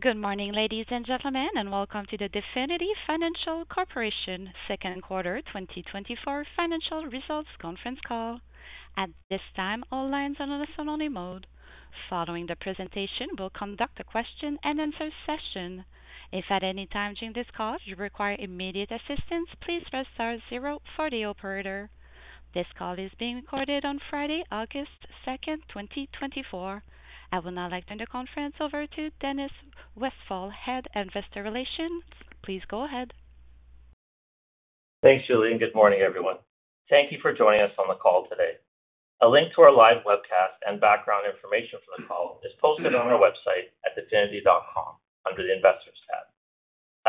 Good morning, ladies and gentlemen, and welcome to the Definity Financial Corporation Second Quarter 2024 Financial Results Conference Call. At this time, all lines are in listen-only mode. Following the presentation, we'll conduct a question-and-answer session. If at any time during this call you require immediate assistance, please press star zero for the operator. This call is being recorded on Friday, August 2nd, 2024. I will now turn the conference over to Dennis Westfall, Head of Investor Relations. Please go ahead. Thanks, Julie. Good morning, everyone. Thank you for joining us on the call today. A link to our live webcast and background information for the call is posted on our website at definity.com under the Investors tab.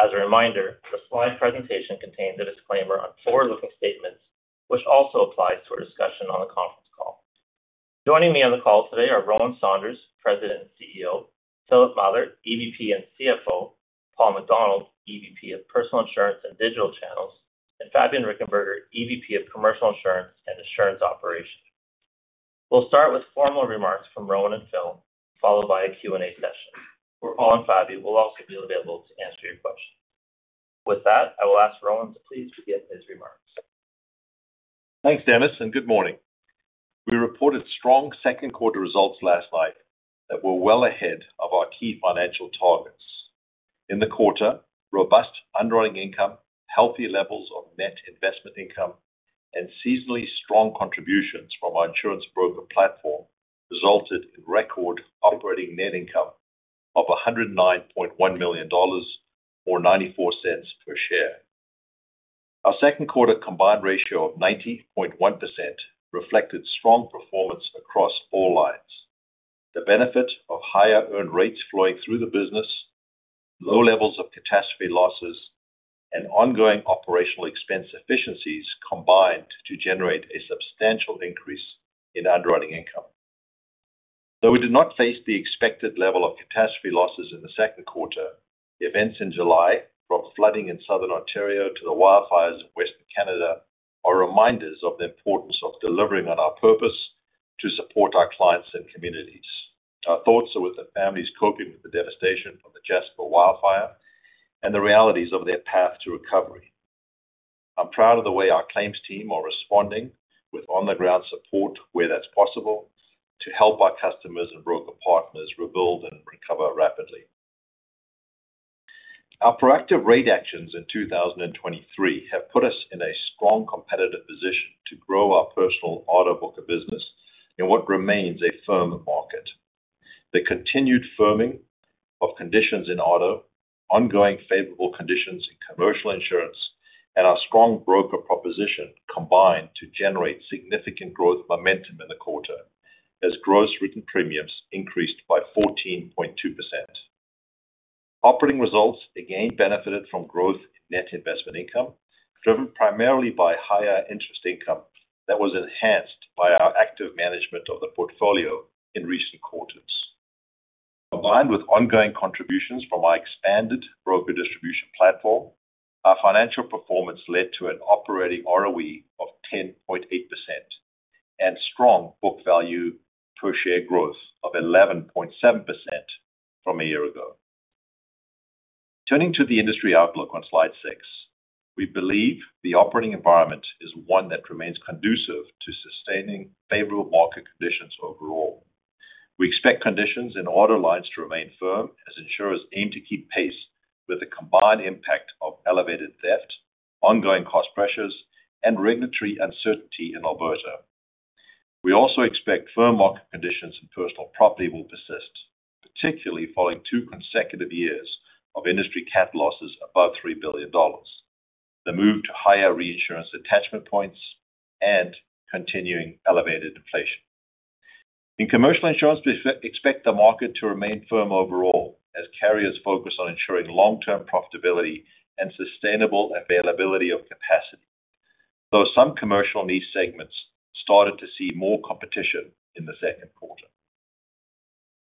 As a reminder, the slide presentation contains a disclaimer on forward-looking statements, which also applies to our discussion on the conference call. Joining me on the call today are Rowan Saunders, President and CEO; Philip Mather, EVP and CFO; Paul MacDonald, EVP of Personal Insurance and Digital Channels; and Fabian Richenberger, EVP of Commercial Insurance and Insurance Operations. We'll start with formal remarks from Rowan and Phil, followed by a Q&A session, where Paul and Fabian will also be available to answer your questions. With that, I will ask Rowan to please begin his remarks. Thanks, Dennis, and good morning. We reported strong second-quarter results last night that were well ahead of our key financial targets. In the quarter, robust underlying income, healthy levels of net investment income, and seasonally strong contributions from our insurance broker platform resulted in record operating net income of 109.1 million dollars or 0.94 per share. Our second-quarter combined ratio of 90.1% reflected strong performance across all lines. The benefit of higher earned rates flowing through the business, low levels of catastrophe losses, and ongoing operational expense efficiencies combined to generate a substantial increase in underlying income. Though we did not face the expected level of catastrophe losses in the second quarter, events in July, from flooding in southern Ontario to the wildfires in western Canada, are reminders of the importance of delivering on our purpose to support our clients and communities. Our thoughts are with the families coping with the devastation from the Jasper wildfire and the realities of their path to recovery. I'm proud of the way our claims team are responding with on-the-ground support where that's possible to help our customers and broker partners rebuild and recover rapidly. Our proactive rate actions in 2023 have put us in a strong competitive position to grow our personal auto broker business in what remains a firm market. The continued firming of conditions in auto, ongoing favorable conditions in commercial insurance, and our strong broker proposition combined to generate significant growth momentum in the quarter as gross written premiums increased by 14.2%. Operating results again benefited from growth in net investment income driven primarily by higher interest income that was enhanced by our active management of the portfolio in recent quarters. Combined with ongoing contributions from our expanded broker distribution platform, our financial performance led to an Operating ROE of 10.8% and strong book value per share growth of 11.7% from a year ago. Turning to the industry outlook on slide six, we believe the operating environment is one that remains conducive to sustaining favorable market conditions overall. We expect conditions in auto lines to remain firm as insurers aim to keep pace with the combined impact of elevated theft, ongoing cost pressures, and regulatory uncertainty in Alberta. We also expect firm market conditions in personal property will persist, particularly following two consecutive years of industry cat losses above 3 billion dollars, the move to higher reinsurance attachment points, and continuing elevated inflation. In commercial insurance, we expect the market to remain firm overall as carriers focus on ensuring long-term profitability and sustainable availability of capacity, though some commercial niche segments started to see more competition in the second quarter.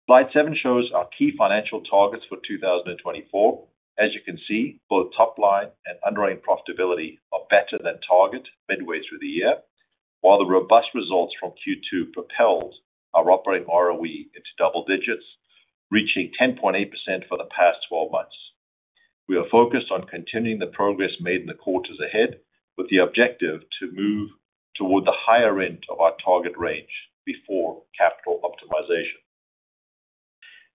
Slide seven shows our key financial targets for 2024. As you can see, both top line and underlying profitability are better than target midway through the year, while the robust results from Q2 propelled our operating ROE into double digits, reaching 10.8% for the past 12 months. We are focused on continuing the progress made in the quarters ahead with the objective to move toward the higher end of our target range before capital optimization.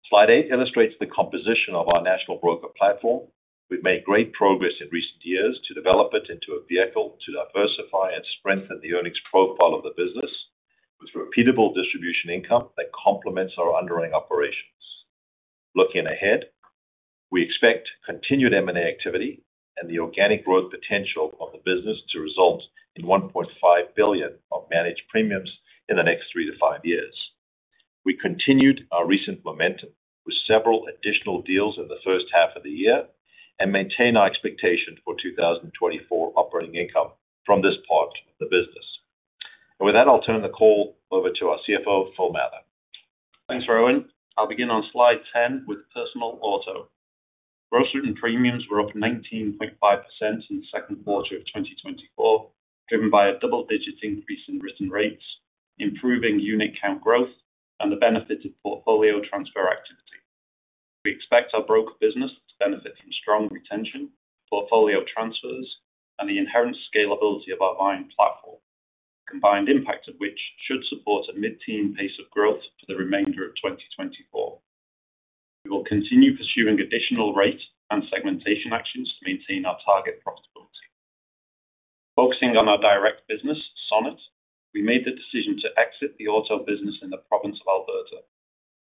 Slide eight illustrates the composition of our national broker platform. We've made great progress in recent years to develop it into a vehicle to diversify and strengthen the earnings profile of the business with repeatable distribution income that complements our underlying operations. Looking ahead, we expect continued M&A activity and the organic growth potential of the business to result in 1.5 billion of managed premiums in the next three to five years. We continued our recent momentum with several additional deals in the first half of the year and maintain our expectation for 2024 operating income from this part of the business. With that, I'll turn the call over to our CFO, Phil Mather. Thanks, Rowan. I'll begin on slide 10 with personal auto. Gross written premiums were up 19.5% in the second quarter of 2024, driven by a double-digit increase in written rates, improving unit count growth, and the benefit of portfolio transfer activity. We expect our broker business to benefit from strong retention, portfolio transfers, and the inherent scalability of our buying platform, the combined impact of which should support a mid-teens pace of growth for the remainder of 2024. We will continue pursuing additional rate and segmentation actions to maintain our target profitability. Focusing on our direct business, Sonnet, we made the decision to exit the auto business in the province of Alberta.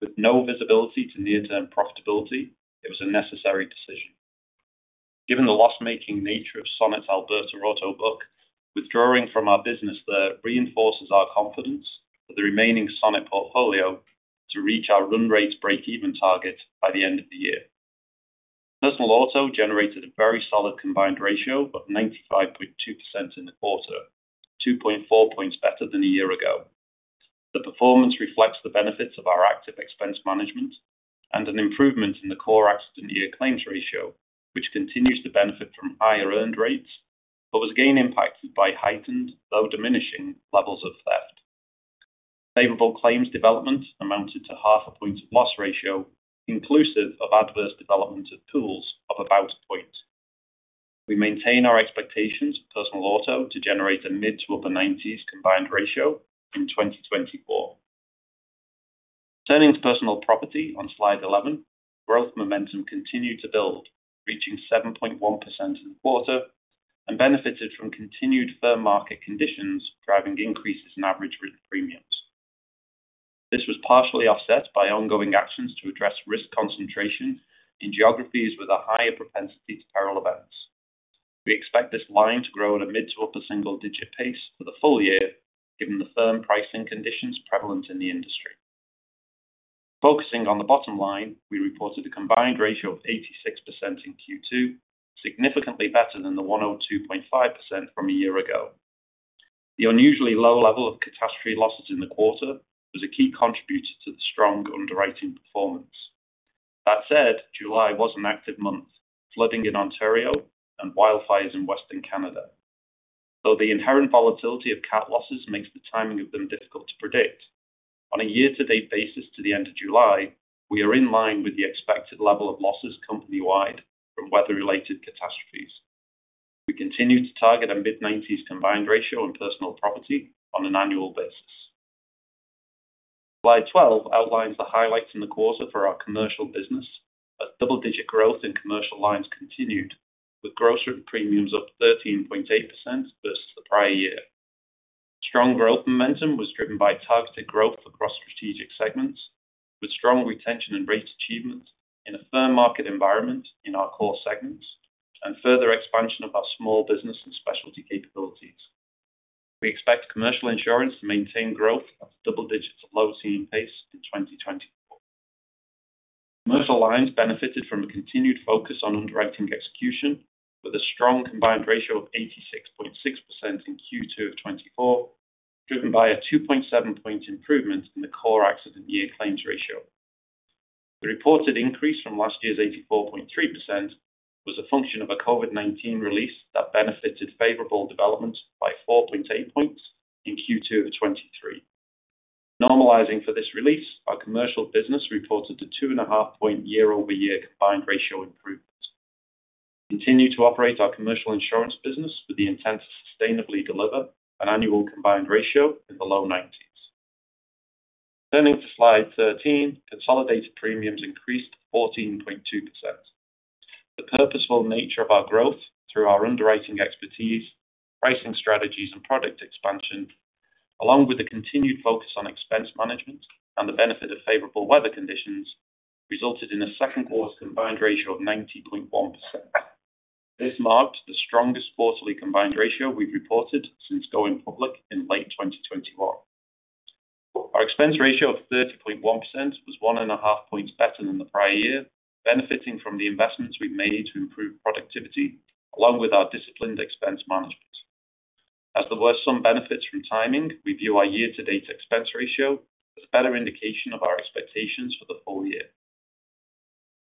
With no visibility to near-term profitability, it was a necessary decision. Given the loss-making nature of Sonnet's Alberta auto book, withdrawing from our business there reinforces our confidence for the remaining Sonnet portfolio to reach our run rate break-even target by the end of the year. Personal auto generated a very solid combined ratio of 95.2% in the quarter, 2.4 points better than a year ago. The performance reflects the benefits of our active expense management and an improvement in the core accident year claims ratio, which continues to benefit from higher earned rates but was again impacted by heightened, though diminishing, levels of theft. Favorable claims development amounted to 0.5 points of loss ratio, inclusive of adverse development of pools of about 1 point. We maintain our expectations for personal auto to generate a mid- to upper-90s combined ratio in 2024. Turning to Personal Property on slide 11, growth momentum continued to build, reaching 7.1% in the quarter, and benefited from continued firm market conditions driving increases in average written premiums. This was partially offset by ongoing actions to address risk concentration in geographies with a higher propensity to peril events. We expect this line to grow at a mid- to upper-single-digit pace for the full year, given the firm pricing conditions prevalent in the industry. Focusing on the bottom line, we reported a Combined Ratio of 86% in Q2, significantly better than the 102.5% from a year ago. The unusually low level of Catastrophe Losses in the quarter was a key contributor to the strong underwriting performance. That said, July was an active month, flooding in Ontario and wildfires in Western Canada. Though the inherent volatility of Cat losses makes the timing of them difficult to predict, on a year-to-date basis to the end of July, we are in line with the expected level of losses company-wide from weather-related catastrophes. We continue to target a mid-90s Combined Ratio in Personal Property on an annual basis. Slide 12 outlines the highlights in the quarter for our Commercial business. A double-digit growth in commercial lines continued, with gross written premiums up 13.8% versus the prior year. Strong growth momentum was driven by targeted growth across strategic segments, with strong retention and rate achievement in a firm market environment in our core segments and further expansion of our small business and specialty capabilities. We expect Commercial Insurance to maintain growth at a double-digit low-teens pace in 2024. Commercial lines benefited from a continued focus on underwriting execution, with a strong combined ratio of 86.6% in Q2 of 2024, driven by a 2.7-point improvement in the core accident year claims ratio. The reported increase from last year's 84.3% was a function of a COVID-19 release that benefited favorable development by 4.8 points in Q2 of 2023. Normalizing for this release, our commercial business reported a 2.5-point year-over-year combined ratio improvement. We continue to operate our commercial insurance business with the intent to sustainably deliver an annual combined ratio in the low 90s. Turning to slide 13, consolidated premiums increased 14.2%. The purposeful nature of our growth through our underwriting expertise, pricing strategies, and product expansion, along with the continued focus on expense management and the benefit of favorable weather conditions, resulted in a second-quarter combined ratio of 90.1%. This marked the strongest quarterly combined ratio we've reported since going public in late 2021. Our expense ratio of 30.1% was one and a half points better than the prior year, benefiting from the investments we've made to improve productivity along with our disciplined expense management. As there were some benefits from timing, we view our year-to-date expense ratio as a better indication of our expectations for the full year.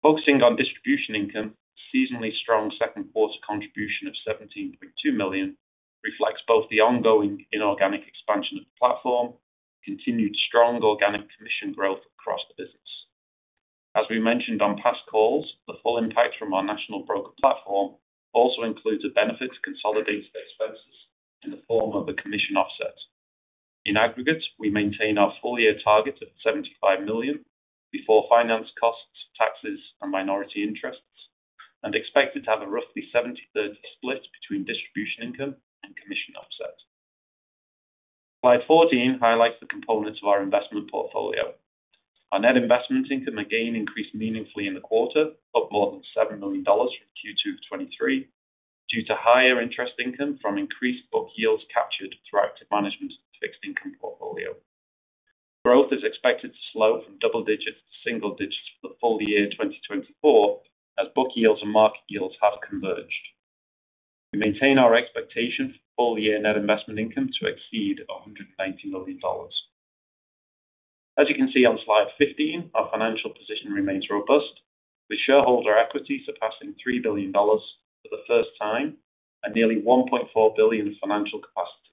Focusing on distribution income, the seasonally strong second-quarter contribution of 17.2 million reflects both the ongoing inorganic expansion of the platform and continued strong organic commission growth across the business. As we mentioned on past calls, the full impact from our national broker platform also includes a benefit to consolidated expenses in the form of a commission offset. In aggregate, we maintain our full-year target of 75 million before finance costs, taxes, and minority interests, and expected to have a roughly 70/30 split between distribution income and commission offset. Slide 14 highlights the components of our investment portfolio. Our net investment income again increased meaningfully in the quarter, up more than 7 million dollars from Q2 of 2023, due to higher interest income from increased book yields captured throughout the management of the fixed income portfolio. Growth is expected to slow from double digits to single digits for the full year 2024 as book yields and market yields have converged. We maintain our expectation for full-year net investment income to exceed 190 million dollars. As you can see on slide 15, our financial position remains robust, with shareholder equity surpassing 3 billion dollars for the first time and nearly 1.4 billion of financial capacity.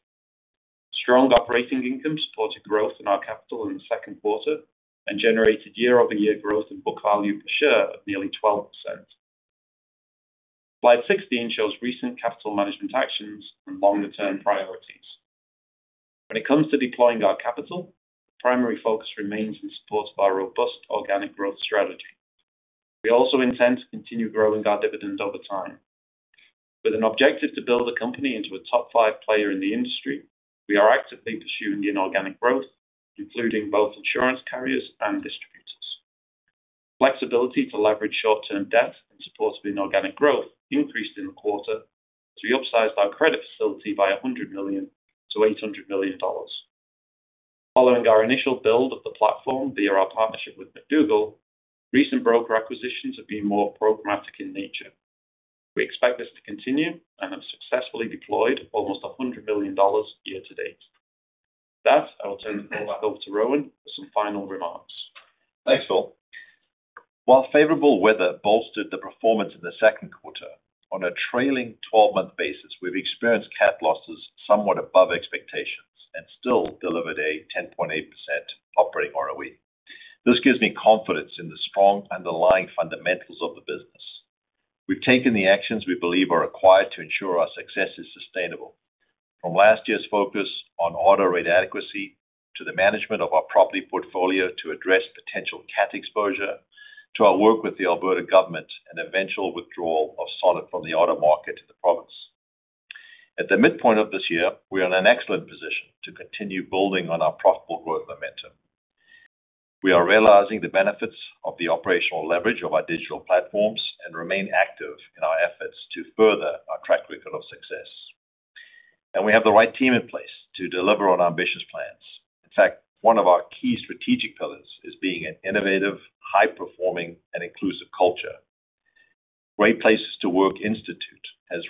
Strong operating income supported growth in our capital in the second quarter and generated year-over-year growth in book value per share of nearly 12%. Slide 16 shows recent capital management actions and longer-term priorities. When it comes to deploying our capital, the primary focus remains in support of our robust organic growth strategy. We also intend to continue growing our dividend over time. With an objective to build a company into a top five player in the industry, we are actively pursuing inorganic growth, including both insurance carriers and distributors. Flexibility to leverage short-term debt in support of inorganic growth increased in the quarter as we upsized our credit facility by $100 million to $800 million. Following our initial build of the platform via our partnership with McDougall, recent broker acquisitions have been more programmatic in nature. We expect this to continue and have successfully deployed almost $100 million year-to-date. With that, I will turn the call back over to Rowan for some final remarks. Thanks, Phil. While favorable weather bolstered the performance in the second quarter, on a trailing 12-month basis, we've experienced cat losses somewhat above expectations and still delivered a 10.8% Operating ROE. This gives me confidence in the strong underlying fundamentals of the business. We've taken the actions we believe are required to ensure our success is sustainable, from last year's focus on auto rate adequacy to the management of our property portfolio to address potential cat exposure, to our work with the Alberta government and eventual withdrawal of Sonnet from the auto market in the province. At the midpoint of this year, we are in an excellent position to continue building on our profitable growth momentum. We are realizing the benefits of the operational leverage of our digital platforms and remain active in our efforts to further our track record of success. We have the right team in place to deliver on our ambitious plans. In fact, one of our key strategic pillars is being an innovative, high-performing, and inclusive culture. Great Place to Work Institute has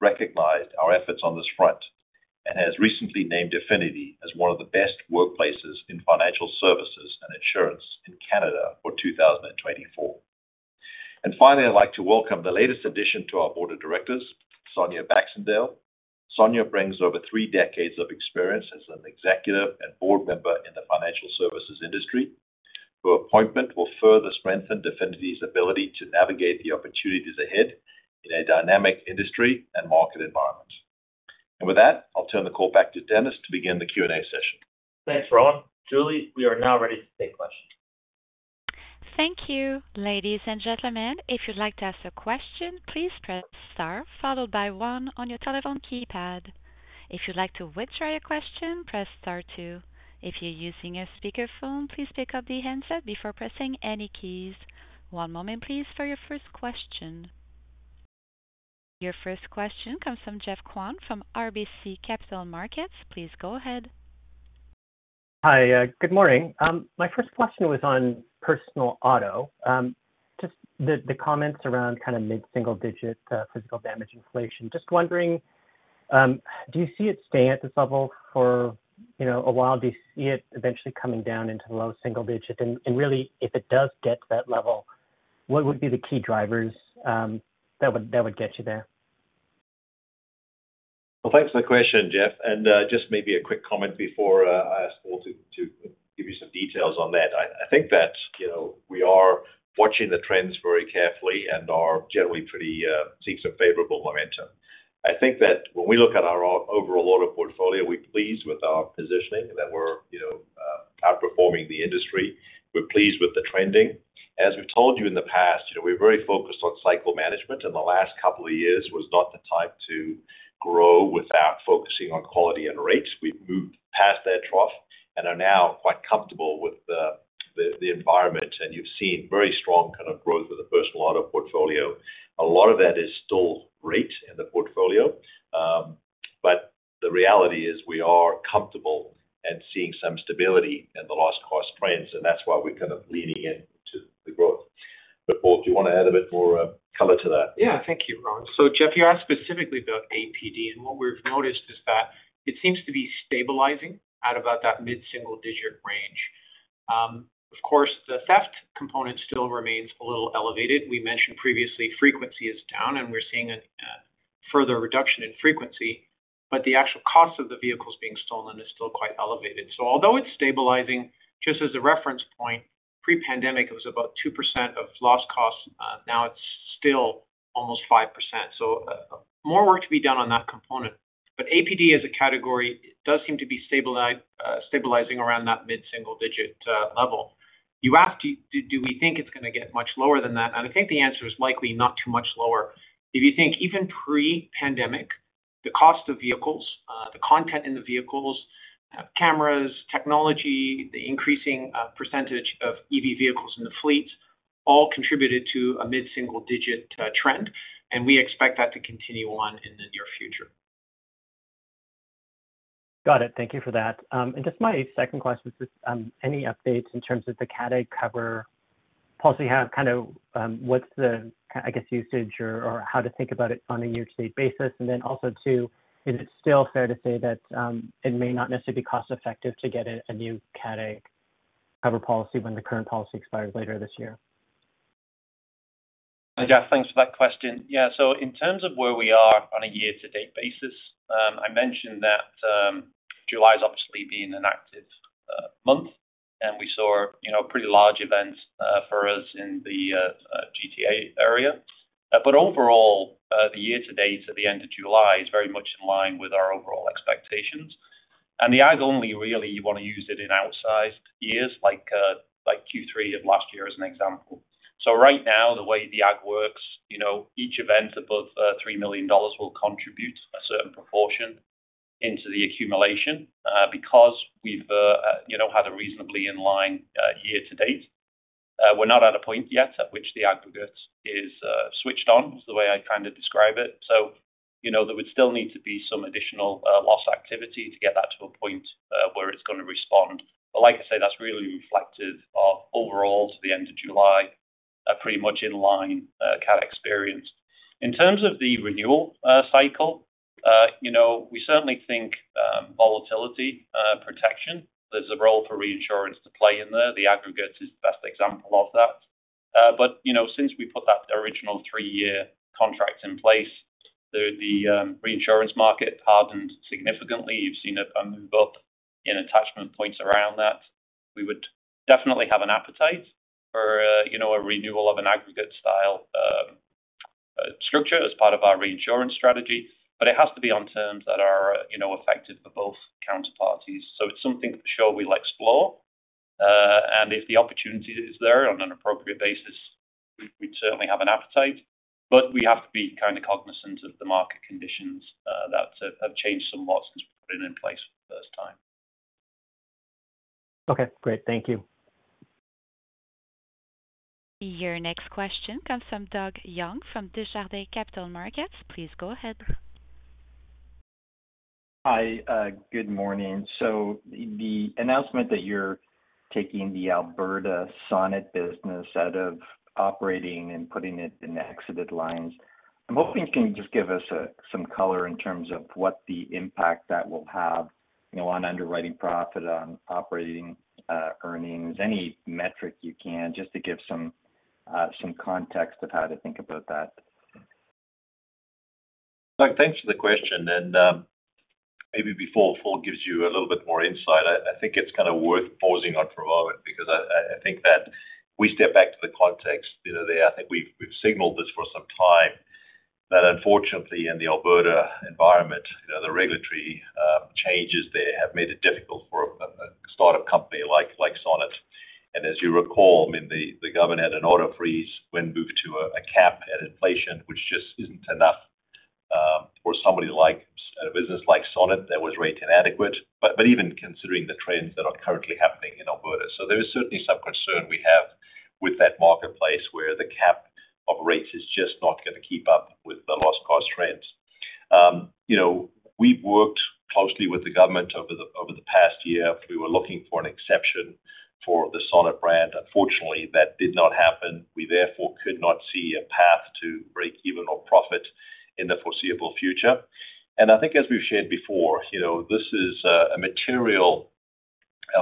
recognized our efforts on this front and has recently named Definity as one of the best workplaces in financial services and insurance in Canada for 2024. Finally, I'd like to welcome the latest addition to our board of directors, Sonia Baxendale. Sonia brings over three decades of experience as an executive and board member in the financial services industry. Her appointment will further strengthen Definity's ability to navigate the opportunities ahead in a dynamic industry and market environment. With that, I'll turn the call back to Dennis to begin the Q&A session. Thanks, Rowan. Julie, we are now ready to take questions. Thank you, ladies and gentlemen. If you'd like to ask a question, please press star followed by one on your telephone keypad. If you'd like to withdraw your question, press star two. If you're using a speakerphone, please pick up the headset before pressing any keys. One moment, please, for your first question. Your first question comes from Geoffrey Kwan from RBC Capital Markets. Please go ahead. Hi, good morning. My first question was on personal auto, just the comments around kind of mid-single-digit physical damage inflation. Just wondering, do you see it stay at this level for a while? Do you see it eventually coming down into the low single digit? And really, if it does get to that level, what would be the key drivers that would get you there? Well, thanks for the question, Geoff. And just maybe a quick comment before I ask Paul to give you some details on that. I think that we are watching the trends very carefully and are generally seeing some favorable momentum. I think that when we look at our overall auto portfolio, we're pleased with our positioning and that we're outperforming the industry. We're pleased with the trending. As we've told you in the past, we're very focused on cycle management, and the last couple of years was not the time to grow without focusing on quality and rates. We've moved past that trough and are now quite comfortable with the environment. And you've seen very strong kind of growth with the personal auto portfolio. A lot of that is still rates in the portfolio. The reality is we are comfortable and seeing some stability in the loss-cost trends, and that's why we're kind of leaning into the growth. Paul, do you want to add a bit more color to that? Yeah, thank you, Rowan. So Geoff, you asked specifically about APD, and what we've noticed is that it seems to be stabilizing at about that mid-single-digit range. Of course, the theft component still remains a little elevated. We mentioned previously frequency is down, and we're seeing a further reduction in frequency, but the actual cost of the vehicles being stolen is still quite elevated. So although it's stabilizing, just as a reference point, pre-pandemic, it was about 2% of lost costs. Now it's still almost 5%. So more work to be done on that component. But APD as a category does seem to be stabilizing around that mid-single-digit level. You asked, do we think it's going to get much lower than that? And I think the answer is likely not too much lower. If you think even pre-pandemic, the cost of vehicles, the content in the vehicles, cameras, technology, the increasing percentage of EV vehicles in the fleet all contributed to a mid-single-digit trend, and we expect that to continue on in the near future. Got it. Thank you for that. Just my second question is just any updates in terms of the Cat Agg cover policy? Kind of what's the, I guess, usage or how to think about it on a year-to-date basis? And then also too, is it still fair to say that it may not necessarily be cost-effective to get a new Cat Agg cover policy when the current policy expires later this year? Hi, Geoff. Thanks for that question. Yeah, so in terms of where we are on a year-to-date basis, I mentioned that July has obviously been an active month, and we saw a pretty large event for us in the GTA area. But overall, the year-to-date at the end of July is very much in line with our overall expectations. And the Agg only really you want to use it in outsized years like Q3 of last year as an example. So right now, the way the Agg works, each event above 3 million dollars will contribute a certain proportion into the accumulation because we've had a reasonably in line year-to-date. We're not at a point yet at which the aggregate is switched on, is the way I kind of describe it. So there would still need to be some additional loss activity to get that to a point where it's going to respond. But like I say, that's really reflective of overall to the end of July, pretty much in line Cat Agg experience. In terms of the renewal cycle, we certainly think volatility protection. There's a role for reinsurance to play in there. The aggregate is the best example of that. But since we put that original three-year contract in place, the reinsurance market hardened significantly. You've seen a move up in attachment points around that. We would definitely have an appetite for a renewal of an aggregate-style structure as part of our reinsurance strategy, but it has to be on terms that are effective for both counterparties. So it's something for sure we'll explore. And if the opportunity is there on an appropriate basis, we'd certainly have an appetite. But we have to be kind of cognizant of the market conditions that have changed somewhat since we put it in place for the first time. Okay, great. Thank you. Your next question comes from Doug Young from Desjardins Capital Markets. Please go ahead. Hi, good morning. So the announcement that you're taking the Alberta Sonnet business out of operating and putting it in exited lines, I'm hoping you can just give us some color in terms of what the impact that will have on underwriting profit, on operating earnings, any metric you can, just to give some context of how to think about that. Thanks for the question. Maybe before Paul gives you a little bit more insight, I think it's kind of worth pausing on for a moment because I think that we step back to the context there. I think we've signaled this for some time that, unfortunately, in the Alberta environment, the regulatory changes there have made it difficult for a startup company like Sonnet. And as you recall, I mean, the government had an auto freeze when moved to a cap at inflation, which just isn't enough for somebody like a business like Sonnet that was rated inadequate, but even considering the trends that are currently happening in Alberta. So there is certainly some concern we have with that marketplace where the cap of rates is just not going to keep up with the loss-cost trends. We've worked closely with the government over the past year as we were looking for an exception for the Sonnet brand. Unfortunately, that did not happen. We therefore could not see a path to break-even or profit in the foreseeable future. I think, as we've shared before, this is a material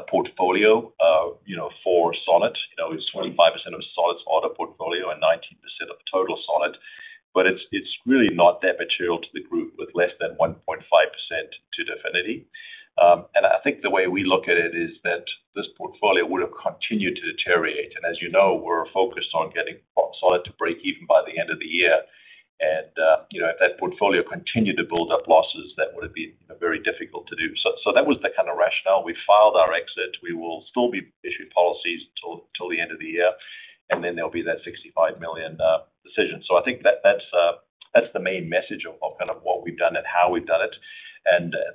portfolio for Sonnet. It's 25% of Sonnet's auto portfolio and 19% of total Sonnet. But it's really not that material to the group with less than 1.5% to Definity. I think the way we look at it is that this portfolio would have continued to deteriorate. As you know, we're focused on getting Sonnet to break even by the end of the year. If that portfolio continued to build up losses, that would have been very difficult to do. That was the kind of rationale. We filed our exit. We will still be issuing policies until the end of the year, and then there'll be that uncertain. So I think that's the main message of kind of what we've done and how we've done it.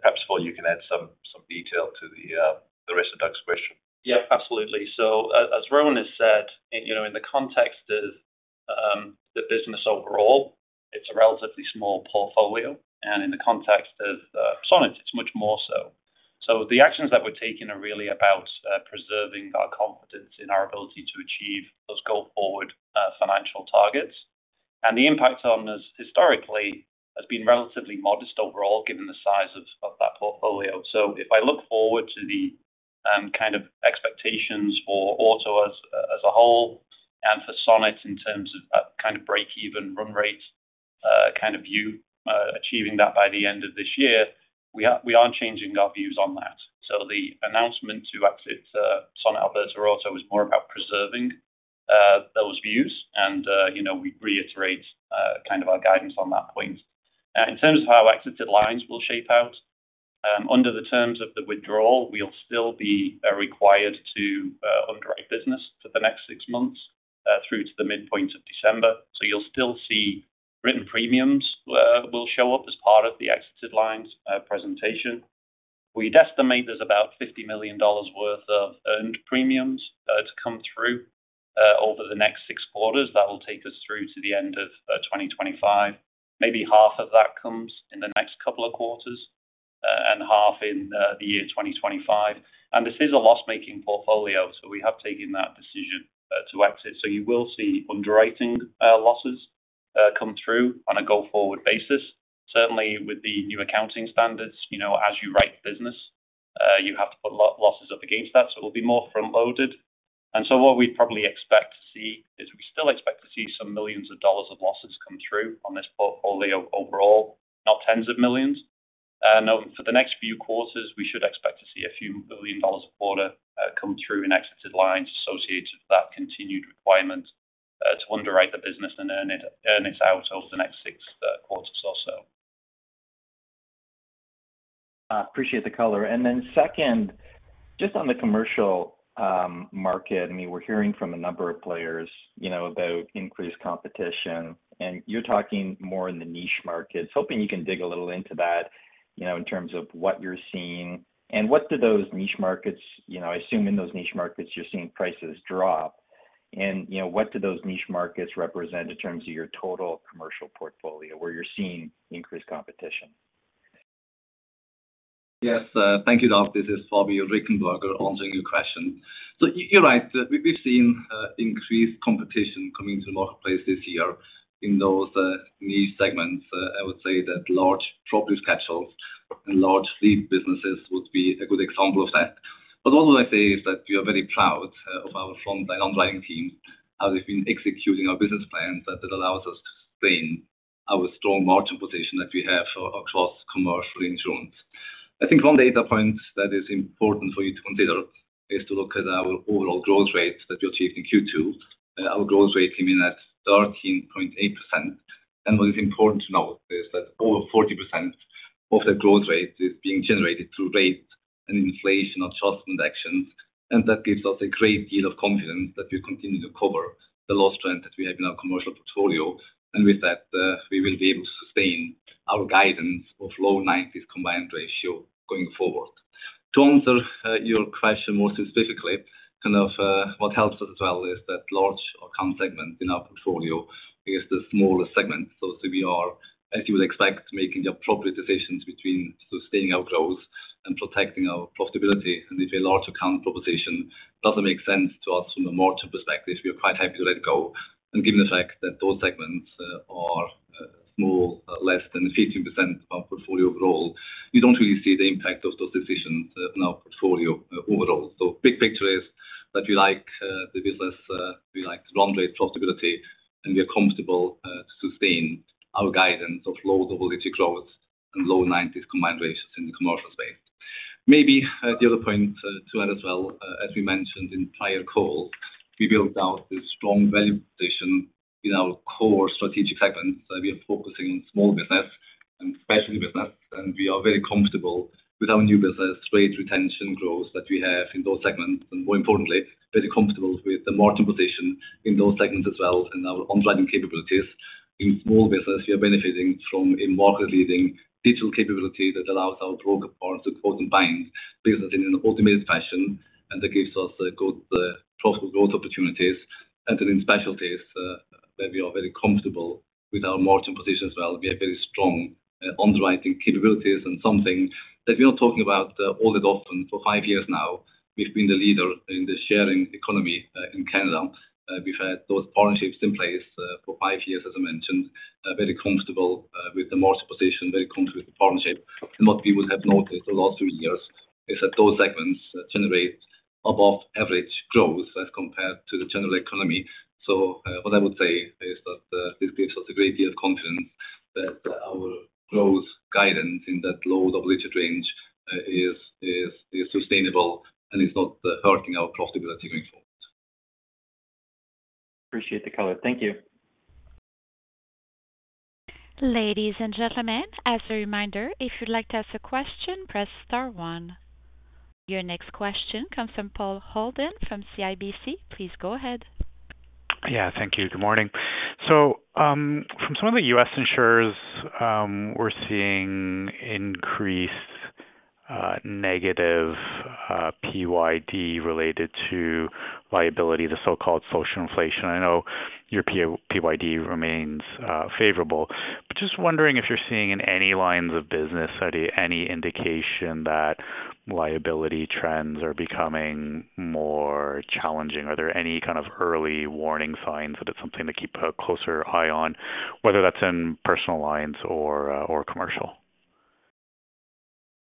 Perhaps, Paul, you can add some detail to the rest of Doug's question. Yeah, absolutely. So as Rowan has said, in the context of the business overall, it's a relatively small portfolio. And in the context of Sonnet, it's much more so. So the actions that we're taking are really about preserving our confidence in our ability to achieve those go-forward financial targets. And the impact on us historically has been relatively modest overall, given the size of that portfolio. So if I look forward to the kind of expectations for auto as a whole and for Sonnet in terms of that kind of break-even run rate kind of view, achieving that by the end of this year, we aren't changing our views on that. So the announcement to exit Sonnet Alberta Auto is more about preserving those views. And we reiterate kind of our guidance on that point. In terms of how exited lines will shake out, under the terms of the withdrawal, we'll still be required to underwrite business for the next six months through to the midpoint of December. So you'll still see written premiums will show up as part of the exited lines presentation. We'd estimate there's about 50 million dollars worth of earned premiums to come through over the next six quarters. That will take us through to the end of 2025. Maybe half of that comes in the next couple of quarters and half in the year 2025. And this is a loss-making portfolio, so we have taken that decision to exit. So you will see underwriting losses come through on a go-forward basis. Certainly, with the new accounting standards, as you write business, you have to put losses up against that. So it will be more front-loaded. What we probably expect to see is we still expect to see some millions dollars of losses come through on this portfolio overall, not tens of millions. For the next few quarters, we should expect to see a few million dollars of order come through in exited lines associated with that continued requirement to underwrite the business and earn its out over the next six quarters or so. I appreciate the color. Then second, just on the commercial market, I mean, we're hearing from a number of players about increased competition. And you're talking more in the niche markets. Hoping you can dig a little into that in terms of what you're seeing. And what do those niche markets assume in those niche markets you're seeing prices drop? And what do those niche markets represent in terms of your total commercial portfolio where you're seeing increased competition? Yes, thank you, Doug. This is Fabian Richenberger answering your question. So you're right. We've seen increased competition coming into the marketplace this year in those niche segments. I would say that large property catch-ups and large fleet businesses would be a good example of that. But what I would say is that we are very proud of our frontline underwriting teams, how they've been executing our business plans that allows us to sustain our strong margin position that we have across commercial insurance. I think one data point that is important for you to consider is to look at our overall growth rate that we achieved in Q2. Our growth rate came in at 13.8%. And what is important to note is that over 40% of that growth rate is being generated through rate and inflation adjustment actions. That gives us a great deal of confidence that we continue to cover the loss trend that we have in our commercial portfolio. With that, we will be able to sustain our guidance of low 90s Combined Ratio going forward. To answer your question more specifically, kind of what helps us as well is that large account segment in our portfolio is the smaller segment. So we are, as you would expect, making the appropriate decisions between sustaining our growth and protecting our profitability. If a large account proposition doesn't make sense to us from a margin perspective, we are quite happy to let go. Given the fact that those segments are small, less than 15% of our portfolio overall, you don't really see the impact of those decisions in our portfolio overall. So big picture is that we like the business, we like the run rate profitability, and we are comfortable to sustain our guidance of low double-digit growth and low-90s combined ratios in the commercial space. Maybe the other point to add as well, as we mentioned in prior calls, we built out this strong value proposition in our core strategic segments. We are focusing on small business and specialty business, and we are very comfortable with our new business rate retention growth that we have in those segments. And more importantly, very comfortable with the margin position in those segments as well and our underwriting capabilities. In small business, we are benefiting from a market-leading digital capability that allows our broker partners to quote and bind business in an automated fashion, and that gives us good profitable growth opportunities. And then in specialties, where we are very comfortable with our margin position as well, we have very strong underwriting capabilities and something that we are talking about all that often. For five years now, we've been the leader in the sharing economy in Canada. We've had those partnerships in place for five years, as I mentioned, very comfortable with the margin position, very comfortable with the partnership. And what we would have noticed over the last few years is that those segments generate above-average growth as compared to the general economy. So what I would say is that this gives us a great deal of confidence that our growth guidance in that low double-digit range is sustainable and is not hurting our profitability going forward. Appreciate the color. Thank you. Ladies and gentlemen, as a reminder, if you'd like to ask a question, press star one. Your next question comes from Paul Holden from CIBC. Please go ahead. Yeah, thank you. Good morning. So from some of the U.S. insurers, we're seeing increased negative PYD related to liability, the so-called social inflation. I know your PYD remains favorable, but just wondering if you're seeing in any lines of business any indication that liability trends are becoming more challenging. Are there any kind of early warning signs that it's something to keep a closer eye on, whether that's in personal lines or commercial?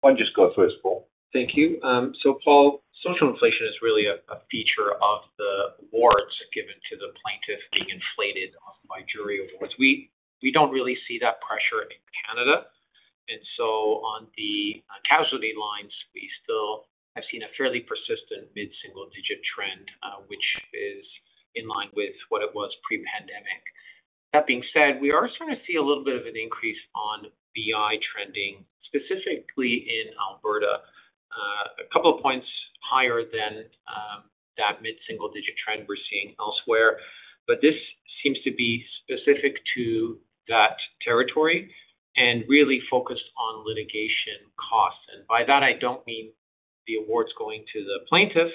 I'll just go first, Paul. Thank you. So Paul, social inflation is really a feature of the awards given to the plaintiff being inflated by jury awards. We don't really see that pressure in Canada. And so on the casualty lines, we still have seen a fairly persistent mid-single-digit trend, which is in line with what it was pre-pandemic. That being said, we are starting to see a little bit of an increase on BI trending, specifically in Alberta, a couple of points higher than that mid-single-digit trend we're seeing elsewhere. But this seems to be specific to that territory and really focused on litigation costs. And by that, I don't mean the awards going to the plaintiff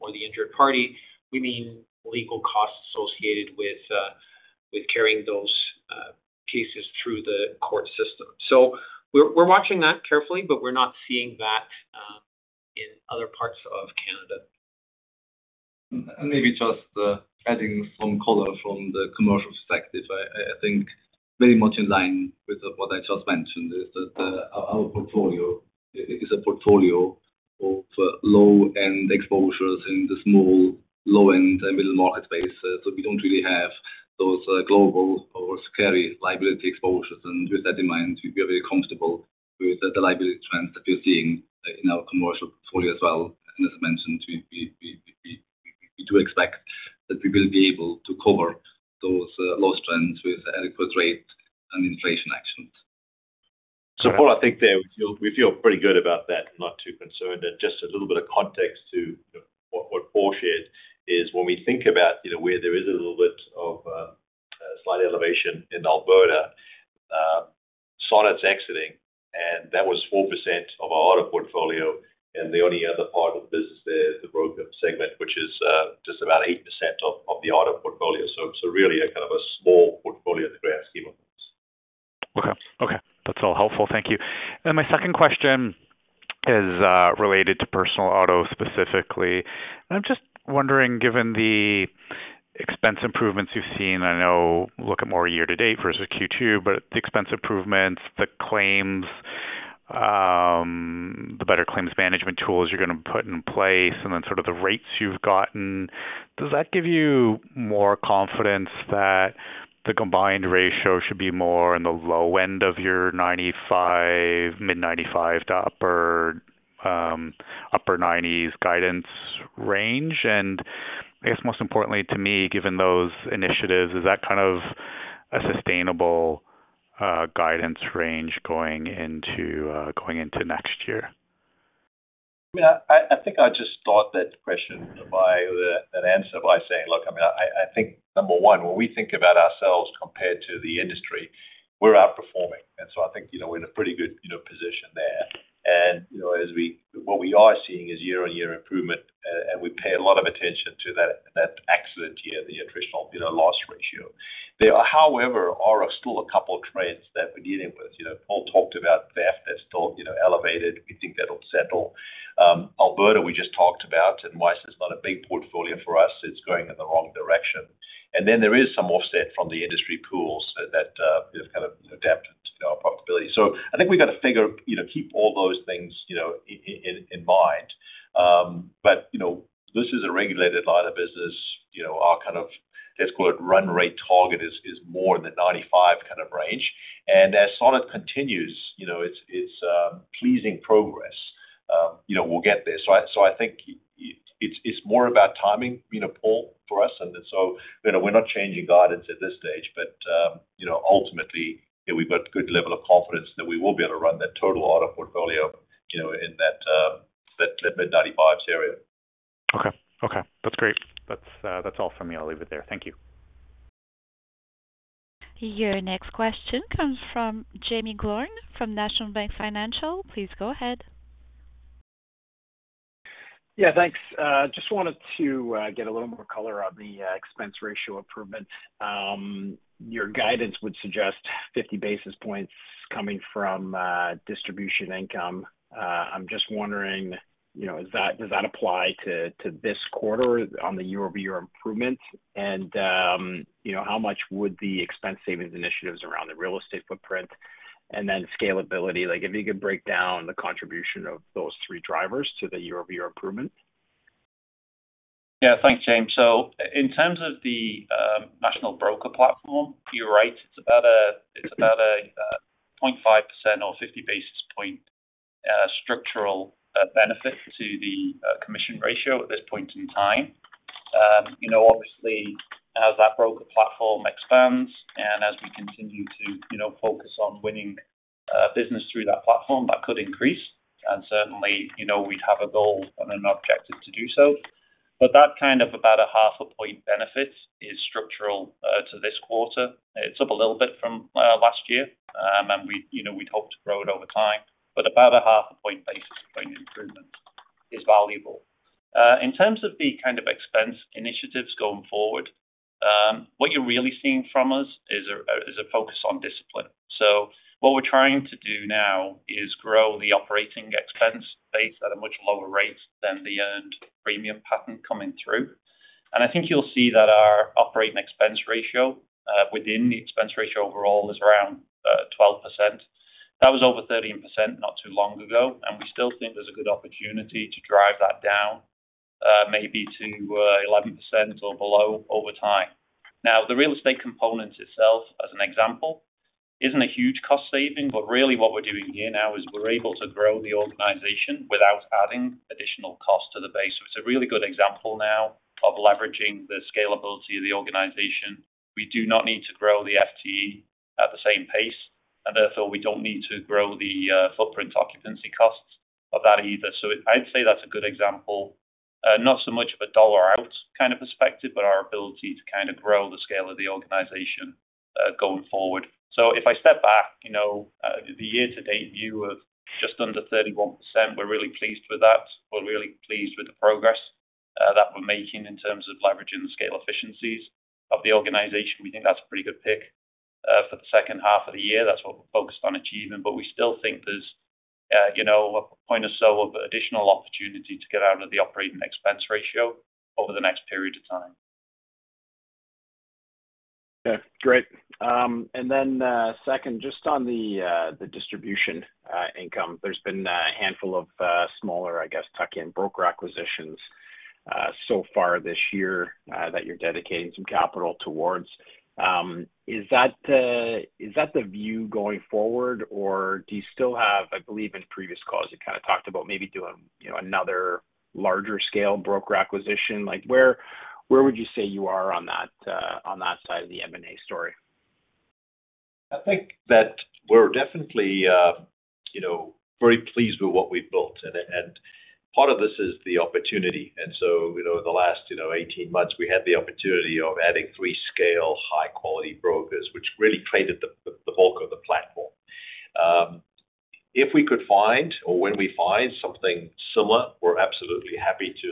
or the injured party. We mean legal costs associated with carrying those cases through the court system. So we're watching that carefully, but we're not seeing that in other parts of Canada. And maybe just adding some color from the commercial perspective, I think very much in line with what I just mentioned is that our portfolio is a portfolio of low-end exposures in the small, low-end, and middle marketplace. So we don't really have those global or scary liability exposures. And with that in mind, we are very comfortable with the liability trends that we're seeing in our commercial portfolio as well. And as I mentioned, we do expect that we will be able to cover those loss trends with adequate rate and inflation actions. So Paul, I think we feel pretty good about that and not too concerned. And just a little bit of context to what Paul shared is when we think about where there is a little bit of slight elevation in Alberta, Sonnet's exiting, and that was 4% of our auto portfolio. The only other part of the business there is the broker segment, which is just about 8% of the auto portfolio. Really a kind of a small portfolio at the grand scheme of things. Okay. Okay. That's all helpful. Thank you. And my second question is related to Personal Auto specifically. And I'm just wondering, given the expense improvements you've seen, I know, look at more year-to-date versus Q2, but the expense improvements, the claims, the better claims management tools you're going to put in place, and then sort of the rates you've gotten, does that give you more confidence that the Combined Ratio should be more in the low end of your 95, mid-95 to upper 90s guidance range? And I guess most importantly to me, given those initiatives, is that kind of a sustainable guidance range going into next year? I mean, I think I just thought that question by that answer by saying, look, I mean, I think number one, when we think about ourselves compared to the industry, we're outperforming. And so I think we're in a pretty good position there. And what we are seeing is year-on-year improvement, and we pay a lot of attention to that accident year, the attritional loss ratio. However, there are still a couple of trends that we're dealing with. Paul talked about theft that's still elevated. We think that'll settle. Alberta, we just talked about, and Weiss is not a big portfolio for us. It's going in the wrong direction. And then there is some offset from the industry pools that have kind of adapted to our profitability. So I think we've got to keep all those things in mind. But this is a regulated line of business. Our kind of, let's call it run rate target is more in the 95 kind of range. As Sonnet continues, it's pleasing progress. We'll get there. I think it's more about timing, Paul, for us. We're not changing guidance at this stage, but ultimately, we've got a good level of confidence that we will be able to run that total auto portfolio in that mid-95s area. Okay. Okay. That's great. That's all for me. I'll leave it there. Thank you. Your next question comes from Jaeme Gloyn from National Bank Financial. Please go ahead. Yeah, thanks. Just wanted to get a little more color on the expense ratio improvement. Your guidance would suggest 50 basis points coming from distribution income. I'm just wondering, does that apply to this quarter on the year-over-year improvement? And how much would the expense savings initiatives around the real estate footprint and then scalability, like if you could break down the contribution of those three drivers to the year-over-year improvement? Yeah, thanks, James. So in terms of the national broker platform, you're right. It's about a 0.5% or 50 basis point structural benefit to the commission ratio at this point in time. Obviously, as that broker platform expands and as we continue to focus on winning business through that platform, that could increase. And certainly, we'd have a goal and an objective to do so. But that kind of about a half a point benefit is structural to this quarter. It's up a little bit from last year, and we'd hope to grow it over time. But about a half a point basis point improvement is valuable. In terms of the kind of expense initiatives going forward, what you're really seeing from us is a focus on discipline. What we're trying to do now is grow the operating expense base at a much lower rate than the earned premium pattern coming through. I think you'll see that our operating expense ratio within the expense ratio overall is around 12%. That was over 13% not too long ago, and we still think there's a good opportunity to drive that down maybe to 11% or below over time. Now, the real estate component itself, as an example, isn't a huge cost saving, but really what we're doing here now is we're able to grow the organization without adding additional cost to the base. It's a really good example now of leveraging the scalability of the organization. We do not need to grow the FTE at the same pace, and therefore we don't need to grow the footprint occupancy costs of that either. So I'd say that's a good example, not so much of a dollar-out kind of perspective, but our ability to kind of grow the scale of the organization going forward. So if I step back, the year-to-date view of just under 31%, we're really pleased with that. We're really pleased with the progress that we're making in terms of leveraging the scale efficiencies of the organization. We think that's a pretty good pick for the second half of the year. That's what we're focused on achieving. But we still think there's a point or so of additional opportunity to get out of the operating expense ratio over the next period of time. Okay. Great. And then second, just on the distribution income, there's been a handful of smaller, I guess, tuck-in broker acquisitions so far this year that you're dedicating some capital towards. Is that the view going forward, or do you still have, I believe, in previous calls, you kind of talked about maybe doing another larger scale broker acquisition? Where would you say you are on that side of the M&A story? I think that we're definitely very pleased with what we've built. And part of this is the opportunity. And so in the last 18 months, we had the opportunity of adding three scale, high-quality brokers, which really created the bulk of the platform. If we could find or when we find something similar, we're absolutely happy to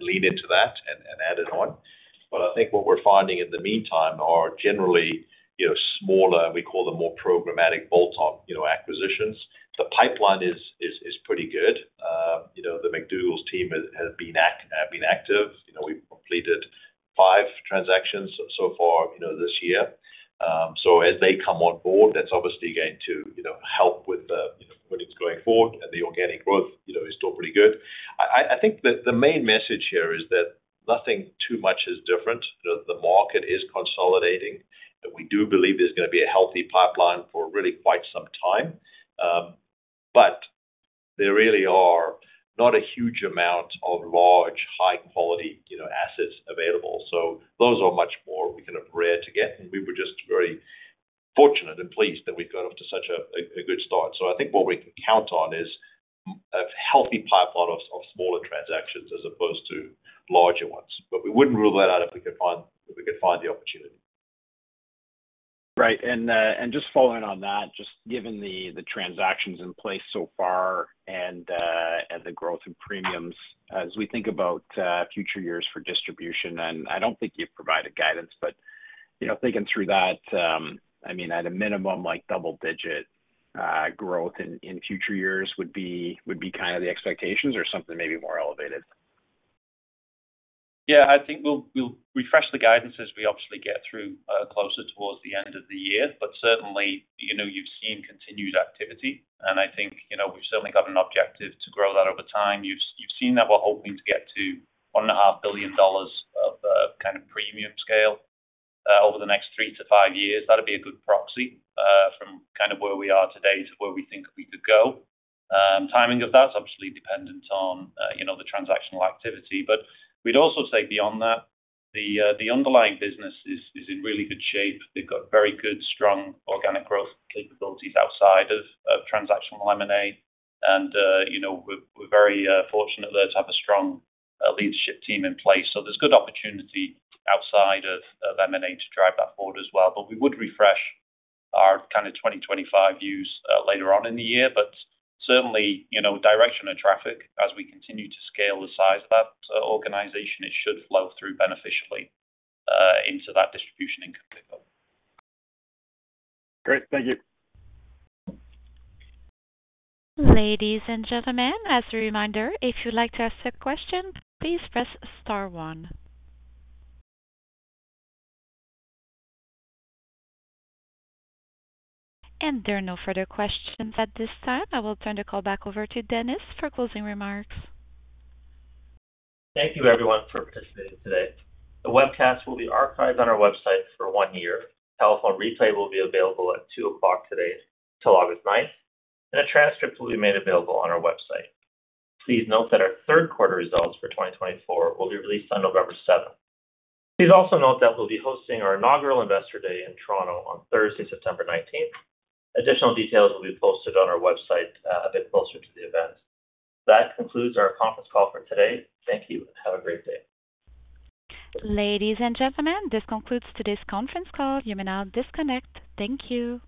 lean into that and add it on. But I think what we're finding in the meantime are generally smaller, we call them more programmatic bolt-on acquisitions. The pipeline is pretty good. The McDougall team has been active. We've completed five transactions so far this year. So as they come on board, that's obviously going to help with what is going forward, and the organic growth is still pretty good. I think the main message here is that nothing too much is different. The market is consolidating, and we do believe there's going to be a healthy pipeline for really quite some time. But there really are not a huge amount of large, high-quality assets available. So those are much more kind of rare to get, and we were just very fortunate and pleased that we got off to such a good start. So I think what we can count on is a healthy pipeline of smaller transactions as opposed to larger ones. But we wouldn't rule that out if we could find the opportunity. Right. Just following on that, just given the transactions in place so far and the growth in premiums, as we think about future years for distribution, and I don't think you've provided guidance, but thinking through that, I mean, at a minimum, double-digit growth in future years would be kind of the expectations or something maybe more elevated? Yeah, I think we'll refresh the guidance as we obviously get through closer towards the end of the year. But certainly, you've seen continued activity, and I think we've certainly got an objective to grow that over time. You've seen that we're hoping to get to 1.5 billion dollars of kind of premium scale over the next three to five years. That would be a good proxy from kind of where we are today to where we think we could go. Timing of that's obviously dependent on the transactional activity. But we'd also say beyond that, the underlying business is in really good shape. They've got very good, strong organic growth capabilities outside of transactional M&A. And we're very fortunate there to have a strong leadership team in place. So there's good opportunity outside of M&A to drive that forward as well. But we would refresh our kind of 2025 views later on in the year. But certainly, direction and traffic, as we continue to scale the size of that organization, it should flow through beneficially into that distribution income pickup. Great. Thank you. Ladies and gentlemen, as a reminder, if you'd like to ask a question, please press star one. There are no further questions at this time. I will turn the call back over to Dennis for closing remarks. Thank you, everyone, for participating today. The webcast will be archived on our website for one year. Telephone replay will be available at 2:00 P.M. today till August 9th. A transcript will be made available on our website. Please note that our third quarter results for 2024 will be released on November 7th. Please also note that we'll be hosting our inaugural investor day in Toronto on Thursday, September 19th. Additional details will be posted on our website a bit closer to the event. That concludes our conference call for today. Thank you, and have a great day. Ladies and gentlemen, this concludes today's conference call. You may now disconnect. Thank you.